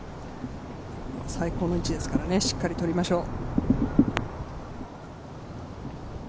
最高の位置ですから、しっかりとりましょう。